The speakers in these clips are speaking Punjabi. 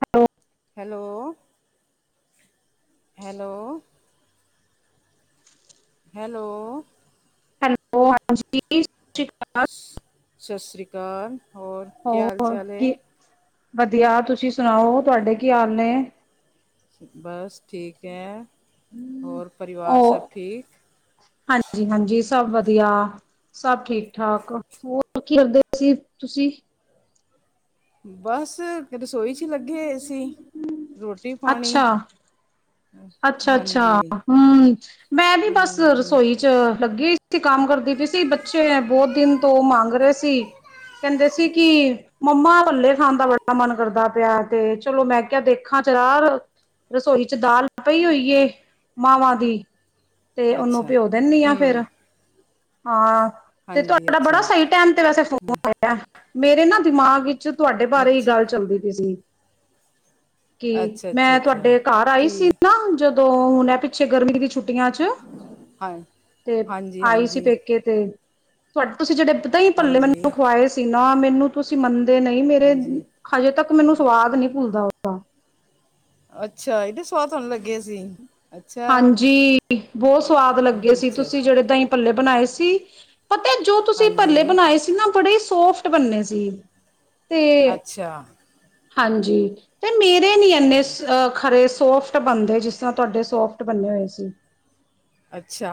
Hello. Hello hello. Hello. Hello ਹਾਂਜੀ। ਸ਼੍ਰੀ ਅਕਾਲ ਸਤਿ ਸ਼੍ਰੀ ਅਕਾਲ ਹੋਰ ਕੀਿਆ ਹਾਲ ਹੋਰ ਚਾਲ ਹੈ? ਕੀ ਵਧੀਆ ਤੁਸੀਂ ਸੁਣਾਓ ਤੁਹਾਡੇ ਕੀ ਹਾਲ ਨੇ? ਬਸ ਠੀਕ ਹੈ ਹੋਔਰ ਪਰਿਵਾਰ ਸਭ ਠੀਕ। ਜੀ ਹਾਂਜੀ ਸਭ ਵਧੀਆ। ਸਭ ਠੀਕ ਠਾਕ ਹੋਰ ਕੀ ਕਰਦੇ ਸੀ ਤੁਸੀਂ? ਬਸ ਰਸੋਈ ਚ ਲੱਗੇ ਅ ਸੀ ਰੋਟੀ ਪਾਣੀ। ਅੱਛਾ ਅੱਛਾ ਹਾਂਜੀ ਹਮ ਮੈਂ ਵੀ ਬਸ ਹਾਂਜੀ ਹਮ, ਰਸੋਈ ਲੱਗੀ ਸੀ ਕੰਮ ਕਰਦੀ ਪਈ ਸੀ ਬੱਚੇ ਬਹੁਤ ਦਿਨ ਤੋਂ ਮੰਗ ਰਹੇ ਸੀ। ਕਹਿੰਦੇ ਸੀ ਕਿ ਮੰਮਾ ਪੱਲੇ ਖਾਣ ਦਾ ਬੜਾ ਮਨ ਕਰਦਾ ਪਿਆ ਤੇ ਚਲੋ ਮੈਂ ਕਿਹਾ ਦੇਖਾਂ ਚਰ ਰਸੋਈ ਚ ਦਾਲ ਪਈ ਹੋਈਏ ਮਾਵਾਂ ਦੀ। ਤੇ ਉਹਨੂੰ ਅੱਛਾ ਭਿਓ ਦਿੰਦੀ ਆ ਹਮ ਫੇਰ। ਹਾਂ ਤੇ ਹਾਂਜੀ ਤੁਹਾਡਾ ਅੱਛਾ ਬੜਾ ਸਹੀ ਟਮ ਤੇ ਵੈਸੇ ਫੋਨ ਹਮ, ਆਇਆ ਮੇਰੇ ਨਾ ਦਿਮਾਗ ਤੁਹਾਡੇ ਬਾਰੇ ਹੀ ਅੱਛਾ ਗੱਲ ਚੱਲਦੀ ਤੀ ਸੀ। ਕੀ ਅੱਛਾ ਅੱਛਾ ਮੈਂ ਅੱਛਾ ਤੁਹਾਡੇ ਘਰ ਆਈ ਕੀ ਸੀ ਨਾ ਜਦੋਂ। ਦੋਂ ਹੁਣ ਹੈ ਪਿੱਛੇ ਗਰਮੀ ਦੀ ਛੁੱਟੀਆਂ ਚ ਹਾਂ ਤੇ ਹਾਂਜੀ ਆਈ ਸੀ। ਹਾਂਜੀ ਤੇ ਪੇਕੇ ਤੁਡ ਤੁਸੀਂ ਜਿਹੜੇਦਾਂ ਹੀ ਪੱਲੇ ਹਾਂਜੀ ਮੈਨੂੰ ਖਵਾਏ ਸੀ ਨਾ ਮੈਨੂੰ ਤੁਸੀਂ ਮੰਨਦੇ ਨਹੀਂ ਮੇਰੇ ਹਾਂਜੀ ਹਜੇ ਤੱਕ ਮੈਨੂੰ ਸਵਾਦ ਨਹੀਂ ਭੁੱਲਦਾ ਉਹਦਾ। ਅੱਛਾ ਇਹਦੇ ਸਵਾਦ ਤੁਹਾਨੂੰ ਲੱਗੇ ਸੀ ਅੱਛਾ ਹਾਂਜੀ ਬਹੁਤ ਸਵਾਦ ਹਮ, ਲੱਗੇ ਸੀ। ਅੱਛਾ ਤੁਸੀਂ ਜਿਹੜੇ ਦਹੀਂ ਪੱਲੇ ਬਣਾਏ ਸੀ ਪਤਾ ਜੋ ਤੁਸੀਂ ਪੱਲੇ ਹਾਂਜੀ ਬਣਾਏ ਸੀ ਜ ਬੜੇ ਸੋਫਟ ਬਣਨੇ ਸੀ ਤੇ ਅੱਛਾ ਹਾਂਜੀ। ਤੇ ਮੇਰੇ ਨ ਇੰਨੇ ਹਾਂਜੀ, ਖਰੇ ਸੋਫਟ ਬੰਦੇ ਜਿਸ ਤਰ੍ਹਾਂ ਤੁਹਾਡੇ ਸੋਫਟ ਬੰਨੇ ਹੋਏ ਸੀ। ਅੱਛਾ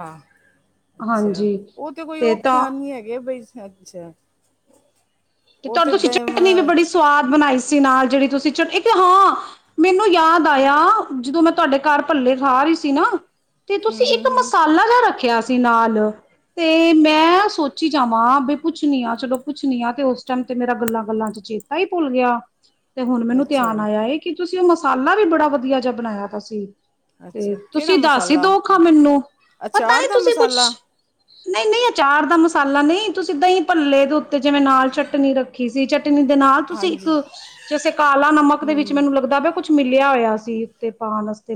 ਅੱਛਾ ਹਾਂਜੀ ਉਹ ਤੇ ਕੋਈ ਔਖਾ ਨੀ ਹੈਗੇ ਬਈ ਅੱਛਾ। ਤੇ ਉਹ ਤੁਹਾਨੂੰ ਤੁਸੀਂ ਦ- ਅਮ, ਚਟਨੀ ਵੀ ਬੜੀ ਸਵਾਦ ਬਣਾਈ ਸੀ ਨਾਲ ਜਿਹੜੀ ਤੁਸੀਂ ਚਟ ਹਾਂ ਮੈਨੂੰ ਯਾਦ ਆਇਆ ਜਦੋਂ ਮੈਂ ਤੁਹਾਡੇ ਘਰ ਭੱਲੇ ਖਾ ਰਹੀ ਸੀ ਨਾ। ਤੇ ਹੂੰ ਤੁਸੀਂ ਹੂੰ ਇੱਕ ਹੂੰ ਮਸਾਲਾ ਜ ਰੱਖਿਆ ਨਾਲ ਤੇ ਮੈਂ ਸੋਚੀ ਜਾਵਾਂ ਬ ਪੁੱਛਣੀ ਆ ਚਲੋ ਪੁੱਛਣੀ ਆ ਤੇ ਉਸ। ਟਮ ਤੇ ਮੇਰਾ ਗੱਲਾਂ ਗੱਲਾਂ ਚ ਚੇਤਾ ਹੀ ਭੁੱਲ ਗਿਆ ਤੇ ਹੁਣ ਮੈਨੂੰ ਅੱਛਾ ਧਿਆਨ ਆਇਆ ਕੀ ਤੁਸੀਂ ਉਹ ਮਸਾਲਾ ਵੀ ਬੜਾ ਵਧੀਆ ਜਿਹਾ ਬਣਾਇਆ ਤ ਸੀ। ਤੇ ਅੱਛਾ ਕਿਹੜਾ ਤੁਸੀਂ ਦੱਸ ਹੀ ਮਸਾਲਾ ਦੋਖਾ ਮੈਨੂੰ ਪਤਾ ਅਚਾਰ ਨੀ ਦਾ ਤੁਸੀਂ ਕੁਛ ਮਸਾਲਾ ਨਹੀਂ ਨਹੀਂ ਅਚਾਰ ਦਾ ਮਸਾਲਾ ਨਹੀਂ ਤਸੀਂਦਾਂ ਹੀ ਭੱਲੇ ਦੇ ਉੱਤੇ ਜਿਵੇਂ ਨਾਲ ਚਟਣੀ ਰੱਖੀ ਸੀ ਚ ਚਟਣੀ ਦੇ ਨਾਲ ਤੁਸੀਂ ਇੱਕ ਹਾਂਜੀ ਜੈਸੇ ਕਾਲਾ ਨਮਕ ਦੇ ਵਿੱਚ ਹੂੰ ਮੈਨੂੰ ਲੱਗਦਾ ਵ ਕੁਛ ਮਿਲਿਆ ਹੋਇਆ ਸੀ ਉੱਤੇ ਪਾਉਣ ਵਾਸਤੇ।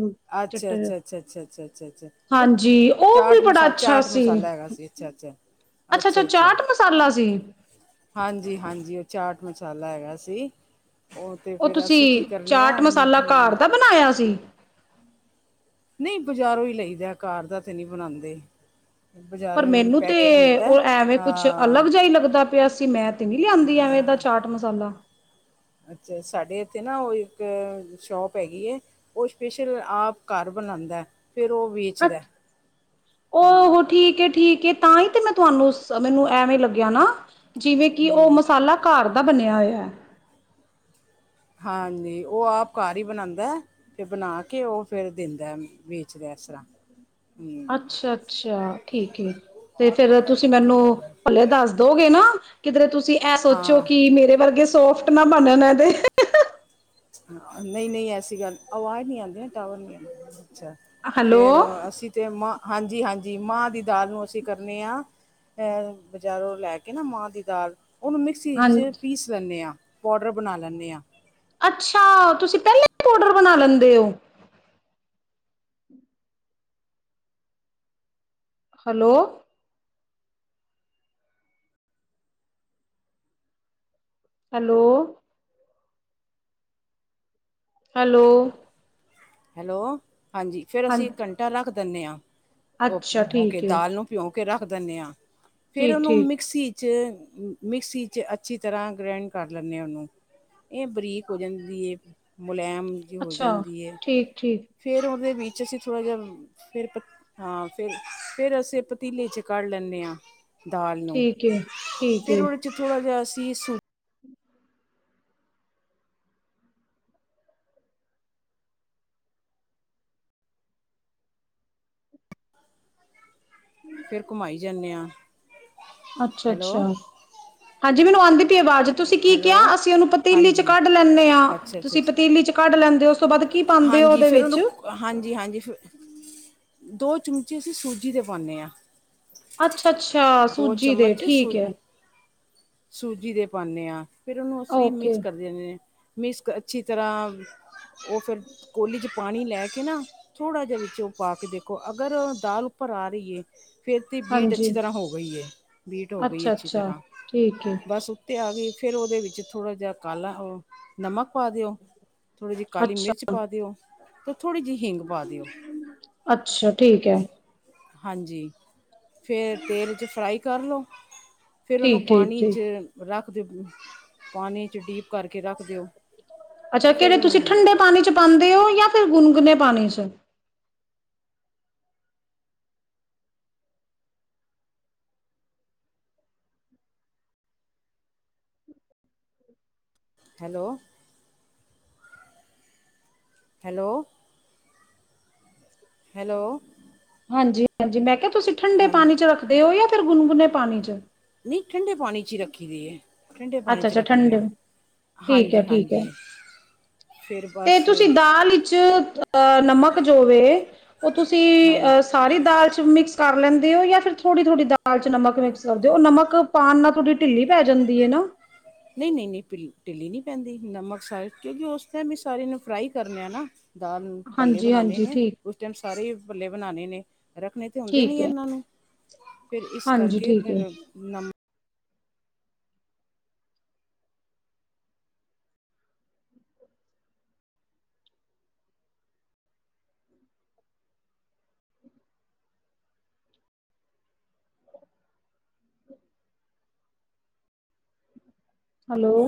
ਚਟ ਅੱਛਾ ਅੱਛਾ ਅੱਛਾ ਅੱਛਾ ਅੱਛਾ ਅੱਛਾ ਅੱਛਾ ਉਹ ਹਾਂਜੀ ਉਹ ਵੀ ਚਾਟ ਮਸ ਬੜਾ ਅੱਛਾ ਚਾਟ ਸੀ ਮਸਾਲਾ ਹੈਗਾ ਸੀ। ਅੱਛਾ ਅੱਛਾ। ਅੱਛਾ ਅੱਛਾ ਚਾਟ ਮਸਾਲਾ ਸੀ? ਹਾਂਜੀ ਹਾਂਜੀ ਉਹ ਚਾਟ ਮਸਾਲਾ ਹੈਗਾ ਸੀ। ਉਹ ਤੇ ਫੇਿਰ ਤੁਸੀਂ ਅਸੀਂ ਕੀ ਕਰਨੇ ਚਾਟ ਆ ਮਸਾਲਾ ਘਰ ਹ। ਦਾ ਬਣਾਇਆ ਸ?, ਨਹੀਂ ਬਜ਼ਾਰੋਂ ਹੀ ਲਈਦਾ ਕਾਰ ਦਾ ਤੇ ਨਹੀਂ ਬਣਾਉਂਦੇ। ਪਰ ਬਾਜ਼ਾਰੋਂ ਹੀ ਮੈਨੂੰ ਤੇ ਪੈਕਟ ਮਿਲਦਾ ਉਹ ਐਵੇਂ ਕੁਛ ਹਾਂ ਅਲੱਗ ਜਿਹਾ, ਹੀ ਲੱਗਦਾ ਪਿਆ ਸੀ ਮੈਂ ਤੇ ਨਹੀਂੀ ਲਿਆਂਂਦੀ ਐਵੇਂ ਇਹਦਾ। ਹਾਂ ਚਾਟ ਮਸਾਲਾ। ਅੱਛਾ ਸਾਡੇ ਇੱਥੇ ਨਾ ਉਹ ਇੱਕ ਸ਼ੋਪ ਹੈਗੀ ਹੈ। ਉਹ ਸਪੇਸ਼ਲ ਆਪ ਘਰ ਬਣਾਉਂਦਾ ਹੈ। ਫੇਿਰ ਉਹ ਵੀ ਅੱ ਠੀਕ ਠੀਕ ਤਾਂ ਹੀ ਤੇ ਮੈਂ ਤੁਹਾਨੂੰ ਮੈਨੂੰ ਐਵੇਂ ਲੱਗਿਆ ਨਾ ਜਿਵੇਂ ਕਿ ਉਹ ਹਮ ਮਸਾਲਾ ਘਰ ਦਾ ਬਣਿਆ ਹੋਇਆ। ਹਾਂਜੀ ਉਹ ਆਪ ਘਰ ਹੀ ਬਣਾਉਂਦਾ। ਤੇ ਬਣਾ ਕੇ ਉਹ ਫੇਰ ਦਿੰਦਾ ਵੇਚਦਾ ਇਸ ਤਰ੍ਹਾਂ। ਹਮ ਅੱਛਾ ਅੱਛਾ ਠੀਕ ਤੇ ਫੇਿਰ ਤੁਸੀਂ ਮੈਨੂੰ ਪਲੇ ਦੱਸ। ਦੋਗੇ ਨਾ ਕਿਧਰੇ ਤੁਸੀਂ ਇਹ ਸੋਚੋ ਹਾਂ ਕਿ ਮੇਰੇ ਵਰਗੇ ਸੋਫਟ ਨਾ ਬਣਨ ਤੇ। ਹ ਨਹੀਂ ਨਹੀਂ, ਐਸੀ ਗੱਲ ਆਵਾਜ਼ ਨਹੀਂ ਆਉਂਦੀ ਟਵਰ ਨਹੀਂ ਆਉਂਦੇ। ਅੱਛਾ ਹੈਲੋ ਫੇਿਰ, ਅਸੀਂ ਤਾਂ ਮਾਂ ਹਾਂਜੀ ਹਾਂਜੀ ਮਾਂਹ ਦੀ ਦਾਲ ਨੂੰ ਅਸੀਂ ਕਰਨੇ ਹਾਂ। ਫ ਬਜ਼ਾਰੋਂ ਲੈ ਕੇ ਨਾ ਮਾਂਹ ਦੀ ਦਾਲ। ਉਹਨੂੰ ਮਿਕਸੀ ਚ ਹਾਂਜੀ ਪੀਸ ਲੈਂਣੇ ਆਂ, ਪਾਊਡਰ ਬਣਾ ਲੈਂਣੇ ਆਂ। ਅੱਛਾ, ਤੁਸੀਂ ਪਹਿਲਾਂ ਈ ਪਾਊਡਰ ਬਣਾ ਲੈਂਦੇ ਓ। Hello hello. ਹੈਲੋ। ਹੈਲੋ ਹਾਂਜੀ, ਫਿਰ ਅਸੀਂ ਹਾਂਜੀ ਘੰਟਾ ਰੱਖ ਦਿੰਣੇ ਆਂ, ਉਹ ਅੱਛਾ ਹੋ ਕੇ ਠੀਕ ਏ ਦਾਲ ਨੂੰ। ਪਿਉਂ ਕੇ ਰੱਖ ਦਿੰਣੇ ਆਂ ਫੇਰ ਠੀਕ ਉਨੂੰ ਠੀਕ ਮਿਕਸੀ ਚ ਮਿਕਸੀ ਚ ਅੱਛੀ ਤਰ੍ਹਾਂ ਗ੍ਰੈਂਡ ਕਰ ਲੈਂਣੇ ਉਨੂੰ। ਇਹ ਬਰੀਕ ਹੋ ਜਾਂਦੀ ਐ, ਮੁਲਾਇਮ ਜਿ ਹੋ ਅੱਛਾ ਜਾਂਦੀ ਐ। ਠੀਕ ਠੀਕ ਫੇਰ ਉਹਦੇ ਵਿੱਚ ਅਸੀਂ ਥੋੜਾ ਜਿਆ ਫਿਰ ਪਤ ਹਾਂ ਫਿਰ ਫੇਰ ਅਸੀਂ ਪਤੀਲੇ ਚ ਕੱਡ ਲੈਂਣੇ ਆਂ। ਦਾਲ ਨੂੰ ਠੀਕ ਏ ਠੀਕ ਫਿਰ ਏ ਉਹਦੇ ਚ ਥੋੜ੍ਹਾ ਜਿਹਾ ਅ ਸੀ ਸੂ ਫਿਰ ਘੁਮਾਈ ਜਾਂਦੇ ਹਾਂ ਅੱਛਾ, ਹੈਲੋ ਅੱਛਾ। ਹਾਂਜੀ ਮੈਨੂੰ ਆਂਦੀ ਪੀ ਆਵਾਜ਼, ਤੁਸੀਂ ਕੀ ਹੈਲੋ ਕਿਆ ਅਸੀਂ ਉਹਨੂੰ ਪਤੀਲੀ ਚ ਹਾਂਜੀ ਕੱਢ ਲੈਂਣੇ ਆਂ। ਅੱਛਾ ਅੱਛਾ ਤੁਸੀਂ ਅੱਛਾ ਪਤੀਲੀ ਚ ਕੱਢ ਲੈਂਦੇ ਓ ਉਸ ਤੋਂ ਬਾਅਦ ਕੀ ਪਾਂਦੇ ਓ ਹਾਂਜੀ ਓਦੇ ਫਿਰ ਵਿੱਚ। ਉਹਨੂੰ ਹਾਂਜੀ ਹਾਂਜੀ ਫ ਦੋ ਚਮਚੇ ਅਸੀਂ ਸੂਜੀ ਦੇ ਪਾਣੇ ਆਂ। ਅੱਛਾ ਅੱਛਾ, ਸੂਜੀ ਦੇ ਚਮਚ ਸੂ ਠੀਕ ਐ। ਸੂਜੀ ਦੇ ਪਾਣੇ ਆਂ, ਫਿਰ ਉਨੂੰ ਅਸੀਂ ਓਕੇ ਮਿਕਸ ਕਰਦੇਣੇ। ਮਿਸਕ ਅੱਛੀ ਤਰ੍ਹਾਂ ਉਹ ਫਿਰ ਕੋਲੀ ਚ ਪਾਣੀ ਲੈ ਕੇ ਨਾ ਥੋੜ੍ਹਾ ਜਿਆ ਵਿੱਚ ਉਹ ਪਾ ਕੇ ਦੇਖੋ ਅਗਰ ਦਾਲ ਉੱਪਰ ਆ ਰਈਏ ਫਿਰ ਤੇ ਬੀਟ ਹਾਂਜੀ ਅੱਛੀ ਤਰ੍ਹਾਂ ਹੋ ਗਈ ਐ ਬੀਟ ਹੋ ਗਈ ਅੱਛੀ ਅੱਛਾ-ਅੱਛਾ ਤਰ੍ਹਾਂ ਠੀਕ ਏ ਬਸ ਉਪ ਤੇ ਆ ਗਈ ਫਿਰ ਉਹਦੇ ਵਿੱਚ ਥੋੜ੍ਹਾ ਜਿਹਾ ਕਾਲਾ ਨਮਕ ਪਾ ਦਿਓ। ਥੋੜ੍ਹੀ ਜੀ ਕਾਲੀ ਮਿਰਚ ਪਾ ਦਿਓ ਤੇ ਥੋੜ੍ਹੀ ਜੀ ਹੀਂਗ ਪਾ ਦਿਓ। ਅੱਛਾ-ਅੱਛਾ ਠੀਕ ਐ ਹਾਂਜੀ ਫਿਰ ਤੇਲ ਚ ਫਰਾਈ ਕਰ ਲਉ। ਫਿਰ ਉਨੂੰ ਪਾਣੀ ਠੀਕ-ਠੀਕ-ਠੀਕ ਚ ਰੱਖ [unintelligible] ਪਾਣੀ ਚ ਡੀਪ ਕਰਕੇ ਰੱਖ ਦਿਓ। ਅੱਛਾ ਫਿਰ ਕਿਹੜੇ ਤੁਸੀਂ ਠੰਡੇ ਪਾਣੀ ਚ ਪਾਂਦੇ ਓ ਜਾਂ ਫਿਰ ਗੁਣਗੁਣੇ ਪਾਣੀ ਚ। ਹੈਲੋ। Hello, hello. ਹਾਂਜੀ ਹਾਂਜੀ। ਮੈਂ ਕਿਆ ਤੁਸੀਂ ਠੰਡੇ ਹਾਂਜੀ ਪਾਣੀ ਚ ਰੱਖਦੇ ਓ ਜਾਂ ਫਿਰ ਗੁਨਗੁਨੇ ਪਾਣੀ ਚ। ਨਈਂ ਠੰਡੇ ਪਾਣੀ ਚ ਈ ਰੱਖੀ ਦੀ ਐ। ਠੰਡੇ ਪਾਣੀ ਚ ਅੱਛਾ-ਅੱਛਾ ਰੱਖਣੇ ਆਂ। ਠੰਡੇ ਠੀਕ ਹਾਂਜੀ, ਐ-ਠੀਕ ਐ ਹਾਂਜੀ। ਫਿਰ ਤੇ ਬਸ ਤੁਸੀਂ ਦਾਲ ਚ ਨਮਕ ਜੋਵੇ ਉਹ ਤੁਸੀਂ ਹਾਂਜੀ ਅ ਸਾਰੀ ਦਾਲ ਚ ਮਿਕਸ ਕਰ ਲੈਂਦੇ ਹੋ ਜਾਂ ਫਿਰ ਥੋੜ੍ਹੀ-ਥੋੜ੍ਹੀ ਦਾਲ ਚ ਨਮਕ ਮਿਕਸ ਕਰਦੇ ਹੋ। ਓਹ ਨਮਕ ਪਾਣ ਨਾ ਥੋੜ੍ਹੀ ਢਿੱਲੀ ਪੈ ਜਾਂਦੀ ਐ ਨਾ। ਨਈਂ ਨਈਂ ਨਈਂ, ਢਿ ਢਿੱਲੀ ਨੀ ਪੈਂਦੀ ਨਮਕ ਸਾਰੇ ਕਿਉਂਕਿ ਉਸ ਦਿ ਵੀ ਸਾਰੇ ਨੂੰ ਫਰਾਈ ਕਰਨ ਆ ਨਾ। ਦਾਲ ਪੱਲੇ ਬਣਾਣੇ ਹਾਂਜੀ-ਹਾਂਜੀ ਨੇ। ਠੀਕ ਉਸ ਟਾਈਮ ਸਾਰੇ ਪੱਲੇ ਬਣਾਣੇ ਨੇ, ਰੱਖਣੇ ਤੇ ਹੁੰਦੇ ਠੀਕ ਨੀਂ ਹੈ ਇਹਨਾਂ ਨੂੰ। ਫਿਰ ਇਸ ਹਾਂਜੀ ਕਰਕੇ ਠੀਕ ਹੈ ਫਿਰ ਨਮ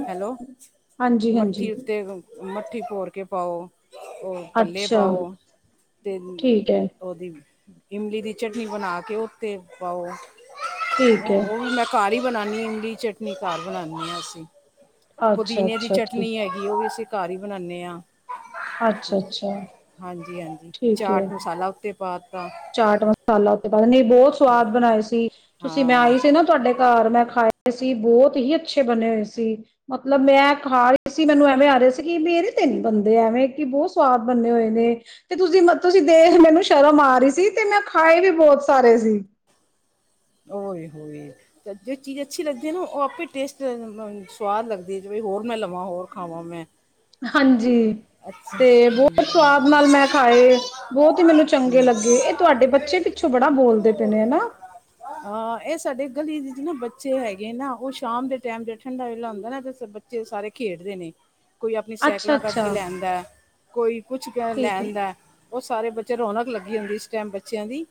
ਹੈਲੋ, ਮੱਠੀ ਹਾਂਜੀ-ਹਾਂਜੀ ਉੱਤੇ ਮੱਠੀ ਭੋਰ ਕੇ ਪਾਓ, ਓਹ ਪੱਲੇ ਅੱਛਾ ਪਾਓ ਤੇ ਠੀਕ ਹੈ ਉਹਦੀ ਇਮਲੀ ਦੀ ਚਟਨੀ ਬਣਾ ਕੇ ਉਤੇ ਪਾਓ, ਠੀਕ ਹੈਂ ਹੈ ਉਹ ਵੀ ਮੈਂ ਘਰ ਈ ਬਣਾਣੀ ਹੁੰਦੀ ਚਟਨੀ, ਘਰ ਬਣਾਣੀ ਅਸੀਂ। ਪੁਦੀਨੇ ਦੀ ਅੱਛਾ-ਅੱਛਾ ਠੀਕ ਚਟਨੀ ਐ। ਕੀ ਉਹ ਵੀ ਅਸੀਂ ਘਰ ਈ ਬਣਾਣੇ ਆਂ, ਅੱਛਾ-ਅੱਛਾ ਹਾਂਜੀ ਹਾਂਜੀ। ਠੀਕ ਹੈ ਚਾਟ ਮਸਾਲਾ ਉੱਤੇ ਪਾ ਤਾ ਚਾਟ ਮਸਾਲਾ ਉੱਤੇ ਪਾਕੇ, ਨੀ ਬੋਤ ਹਾਂ ਸਵਾਦ ਬਨਾਏ ਸੀ, ਤੂਸੀ ਮੈਂ ਹਾਂ ਆਈ ਤੇ ਨਾ ਤੂਆਡੇ ਘਾਰ ਮੈਂ ਖਾਏ ਸੀ, ਬੋਤ ਹੀ ਅੱਛੇ ਬਨੇ ਹੋਏ ਸੀ। ਮਤਲਬ ਮੈਂ ਖਾ ਰਈ ਸੀ, ਮੈਨੂੰ ਐਵੇਂ ਆ ਰੇਆ ਸੀ, ਕਿ ਮੇਰੇ ਤੇ ਨੀ ਬਨਦੇ ਐਵੇਂ, ਕਿ ਬੋਤ ਸਵਾਦ ਬੰਨੇ ਹੋਏ ਨੇ। ਤੇ ਤੂਸੀ ਮ ਤੂਸੀ ਦੇਖ ਮੈਨੂੰ ਸ਼ਰਮ ਆ ਰੀ ਸੀ, ਤੇ ਮੈਂ ਖਾਏ ਵੀ ਬੋਤ ਸਾਰੇ ਸੀ। ਓਏ-ਹੋਏ ਤੇ ਜੇ ਚੀਜ ਅੱਛੀ ਲੱਗਦੀ ਏ ਨਾ, ਓ ਆਪੇ ਟੇਸਟ, ਮ ਸਵਾਦ ਲਗਦੀ ਏ, ਜਿਂਵੇ ਹੋਰ ਮੈਂ ਲਵਾਂ, ਹੋਰ ਖਾਂਵਾ ਮੈਂ। ਹੈਂ ਹਾਂਜੀ। ਅੱਛਾ ਤੇ ਹਾਂਜੀ, ਬੋਤ ਸਵਾਦ ਹਾਂਜੀ। ਨਾਲ ਮੈਂ ਖਾਏ, ਬੋਤ ਈ ਮੈਨੂੰ ਚੰਗੇ ਹੂੰ। ਲੱਗੇ, ਏ ਤੂਆਡੇ ਬੱਚੇ ਵੀ ਪਿੱਛੇ ਬੜਾ ਬੋਲਦੇ ਪੇ ਨੇ, ਹਨਾ? ਹਾਂ ਐ ਸਾਡੇ ਗਲੀ ਦੇ ਚ ਨਾ ਬੱਚੇ ਹੈਗੇ ਨਾ, ਓ ਸ਼ਾਮ ਦੇ ਟੈਮ ਤੇ ਠੰਡਾ ਵੇਲਾ ਹੁੰਦੈ ਨਾ ਤੇ ਸ ਬੱਚ ਚੇ ਸਾਰੇ ਖੇਡਦੇ ਨੇ। ਕੋਈ ਆਪਨੀ ਅੱਛਾ ਸੈਕਲਾਂ ਕੱਡ ਕੇ ਅੱਛਾ ਲੈਂ ਆਦੈ, ਕੋਈ ਕੁੱਛ ਕੇ ਲੈ ਠੀਕ ਹੈ ਆਂਦੈ। ਓ ਸਾਰੇ ਬੱਚੇ ਰੌਨਕ ਲੱਗੀ ਹੁੰਦੀ ਏ ਇਸ ਟੈਮ ਬੱਚੇਆਂ ਦੀ,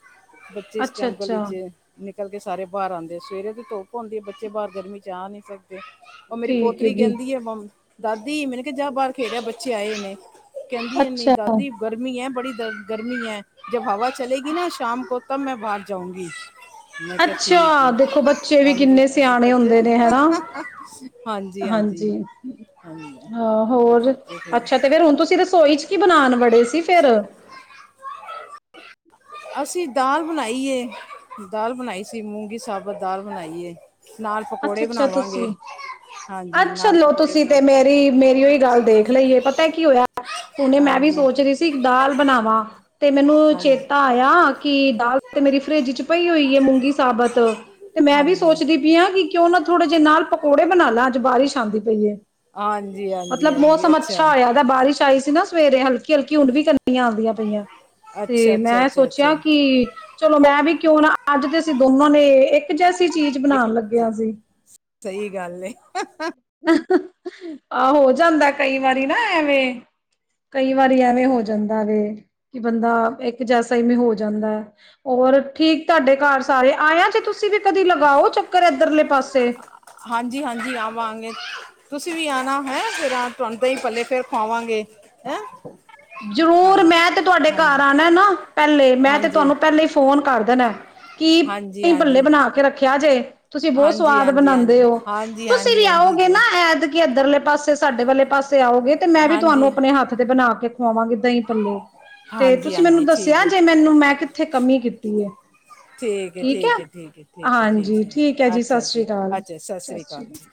ਬੱਚੇ ਇਸ ਅੱਛਾ ਟੈਮ ਗਲੀ ਅੱਛਾ ਚ ਨਿਕਲ ਕੇ ਸਾਰੇ ਬਾਰ ਆਂਦੇ, ਸਵੇਰੇ ਤੇ ਧੁੱਪ ਹੁੰਂਦੀ ਏ, ਬੱਚੇ ਬਾਰ ਗਰਮੀ ਚ ਆ ਨੀ ਸਕਦੇ। ਓ ਮੇਰੀ ਠੀਕ ਹੈ ਪੋਤਰੀ ਜੀ ਕੈਂਦੀ ਏ ਮਮ, ਦਾਦੀ ਮੈਨੂੰ ਕੇਆ ਜਾ ਬਾਰ ਖੇੜੇਆ ਬੱਚੇ ਆਏ ਏ ਨੇ, ਕੈਂਦੀ ਏ ਨੀ ਅੱਛਾ। ਦਾਦੀ ਗਰਮੀ ਐ, ਬੜੀ ਗਰਮੀ ਐ, ਜਬ ਹਵਾ ਚਲੇਗੀ ਨਾ ਸ਼ਾਮ ਕੋ ਤਬ ਮੈਂ ਬਾਹਰ ਜਾਊਂਗੀ। ਅੱਛਾ, ਦੇਖੋ ਬੱਚੇ ਵੀ ਹਾਂਜੀ ਕਿੰਨੇ ਸਿਆਣੇ ਬੱਚੇ ਹੁੰਦੇ ਨੇ, ਹੈਣਾ? ਹਾਂਜੀ। ਹਾਂਜੀ ਹਾਂ ਉਹ ਫਿਰ ਹੋਰ, ਬੱਚੇ ਫਿਰ ਅੱਛਾ ਤੇ ਫੇਰ ਹੁਨ ਤੂਸੀ ਰਸੋਈ ਚ ਕੀ ਬਨਾਨ ਵੜੇ ਸੀ ਫੇਰ? [unintelligible] ਅਸੀ ਦਾਲ ਬਨਾਈਏ। ਦਾਲ ਬਨਾਈ ਸੀ, ਮੂੰਗੀ ਸਾਬਤ ਦਾਲ ਬਨਾਈ ਏ। ਨਾਲ ਅੱਛਾ ਪਕੌੜੇ ਅੱਛਾ ਬਨਾਵਾਂਗੇ, ਤੁਸੀਂ ਹਾਂਜੀ ਅੱਛਾ ਨਾਲੇ ਲਓ ਪਕੌੜੇ ਤੁਸੀਂ ਬਨਾ ਤੇ ਮੇਰੀ ਓਈਹ ਗਾੱਲ ਦੇਖ ਲਈਏ, ਪਤਾ ਕੀ ਹੋਏਆ, ਹੁਨੇ ਮੈਂ ਵੀ ਹਾਂਜੀ ਸੋਚ ਰੀ ਸੀ ਕਿ ਦਾਲ ਬਨਾਵਾਂ, ਤੇ ਮੈਨੂੰ ਹਾਂਜੀ ਚੇਤਾ ਆ ਆਂ ਕਿ ਦਾਲ ਤੇ ਮੇਰੀ ਫਰਿਜ ਇਚ ਪਈ ਹੋਈ ਏ ਮੂੰਗੀ ਸਾਬਤ, ਤੇ ਮੈਂ ਵੀ ਹਾਂਜੀ ਸੋਚਦੀ ਪੀ ਆਂ ਕਿਉਂ ਨਾ ਥੋੜੇ ਜੇ ਨਾਲ ਪਕੌੜੇ ਬਨਾ ਲਾ, ਆੱਜ ਬਾਰਿਸ਼ ਆਂਦੀ ਪਈਏ। ਹਾਂਜੀ, ਹਾਂਜੀ, ਹਾਂਜੀ, ਅੱਛਾ! ਹੋਇਆ ਬਾਰਿਸ਼ ਆਈ ਸੀ ਨਾ ਸਵੇਰੇ, ਹਲਕੀ-ਹਲਕੀ ਹੁਨ ਵੀ ਕਨੀਆਂ ਆਦੀਆਂ ਪਈਐਂ। ਅੱਛਾ ਤੇ ਅੱਛਾ ਮੈਂ ਅੱਛਾ ਸੋਚੇਆ ਅੱਛਾ ਕਿ ਚਲੋ ਮੈਂ ਵੀ ਕਿਉਂ ਨਾ, ਆੱਜ ਤੇ ਅਸੀ ਦੋਨਾ ਨੇ, ਇੱਕ ਜੈਸੀ ਚੀਜ ਬਨਾਨ ਲੱਗੀ ਜੀ ਸਈ ਗਾੱਲ ਏ, ਹਾ, ਹਾ। ਆ ਹੋ ਜਾਂਦੈ ਕਂਈ ਵਾਰੀ ਨਾ ਐਵੇਂ। ਕਂਈ ਵਾਰੀ ਐਵੇਂ ਹੋ ਜਾਂਦਾ ਵੇ, ਕਿ ਬੰਦਾ ਇੱਕ ਜੈਸਾ ਇਵੇਂ ਹੋ ਜਾਂਦੈ। ਔਰ ਠੀਕ ਤੂਆਡੇ ਘਾਰ ਸਾਰੇ ਆਏਆ ਜੇ ਤੂਸੀ ਵੀ ਕਦੀ ਲਗਾਓ ਚੱਕਰ ਐਦਰਲੇ ਪਾਸੇ। ਹਾਂਜੀ, ਹਾਂਜੀ ਆਵਾਂਗੇ, ਤੂਸੀਂ ਵੀ ਆਨਾ ਹੈਂ, ਫੇਰ ਆ ਤੂਆਨ ਦਂਹੀ-ਭਲੇੇ ਫੇਰ ਖਵਾਵਾਂਗੇ। ਹੈਂ? ਜ਼ਰੂਰ ਹਾਂਜੀ ਮੈਂ ਤੇ ਤੂਆਡੇ ਘਾਰ ਹਾਂਜੀ ਆਨੈ ਨਾ ਪ੍ਹੈਲੇ, ਮੈਂ ਤੇ ਹਾਂਜੀ ਤੂਆਨੂੰ ਪ੍ਹੈਲੇ ਈ ਫੋਨ ਕਾਰ ਦੇਨੈ। ਕੀ, ਹਾਂਜੀ ਦਂਹੀ-ਭੱਲੇ ਹਾਂਜੀ ਬਨਾ ਕੇ ਰੱਖੇਆ ਜੇ। ਤੂਸੀ ਬੋਤ ਹਾਂਜੀ ਹਾਂਜੀ ਸਵਾਦ ਬਨਾਂਦੇ ਹਾਂਜੀ ਹਾਂਜੀ ਓ, ਤੂਸੀ ਹਾਂਜੀ ਵੀ ਹਾਂਜੀ ਆਓਗੇ ਜੀ ਨਾ ਐਦਕੀ ਐਦਰਲੇ ਪਾਸੇ ਸਾਡੇ ਵਾਲੇ ਪਾਸੇ ਆਓਗੇ ਤੇ ਮੈਂ ਵੀ ਹਾਂਜੀ ਤੂਆਨੂੰ ਅਪਨੇ ਹਾੱਥ ਤੇ ਬਨਾ ਕੇ ਖਵਾਵਾਂਗੀ ਦਹੀਂ-ਭੱਲੇ। ਤੇ ਹਾਂਜੀ ਤੂਸੀਂ ਹਾਂਜੀ ਮੈਨੂੰ ਠੀਕ ਦੱਸੇਆ ਹੈ ਜੇ ਮੈਨੂੰ, ਮੈਂ ਕਿੱਥੇ ਕਮੀ ਕੀਤੀ ਏ। ਹੈ ਠੀਕ ਐ, ਹੈ ਠੀਕ ਹੈ ਠੀਕ ਹੈ ਹਾਂਜੀ, ਹੈ ਠੀਕ ਐ ਜੀ, ਅੱਛਾ ਸਸ੍ਰੀ ਕਾਲ, ਅੱਛਾ ਸਤਿ ਸ਼੍ਰੀ ਸਸ੍ਰੀ ਅਕਾਲ ਕਾਲ। ਜੀ